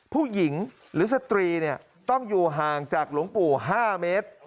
ผู้หญิงหรือสตรีต้องอยู่ห่างจากหลวงปู่๕เมตร